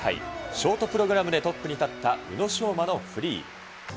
ショートプログラムでトップに立った宇野昌磨のフリー。